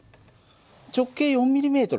直径４ｍｍ